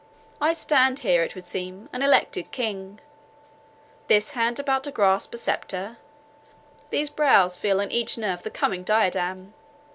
I stand here, it would seem, an elected king; this hand is about to grasp a sceptre; these brows feel in each nerve the coming diadem.